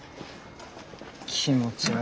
気持ち悪い。